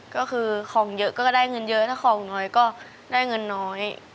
ก็คือของเยอะก็ได้เงินเยอะถ้าของน้อยก็ได้เงินน้อย